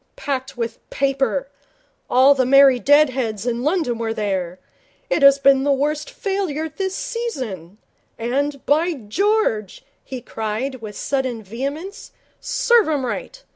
Packed with paper. All the merry dead heads in London were there. It has been the worst failure this season. And, by George,' he cried, with sudden vehemence, 'serve 'em right.